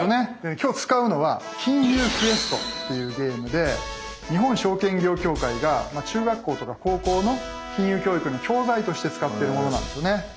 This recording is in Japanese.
今日使うのは「金融クエスト」っていうゲームで日本証券業協会が中学校とか高校の金融教育の教材として使ってるものなんですよね。